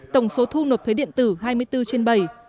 tổng số thu nộp thuế điện tử hai mươi bốn trên bảy